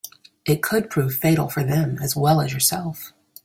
It could prove fatal for them as well as yourself.